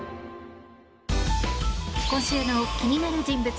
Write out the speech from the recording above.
今週の気になる人物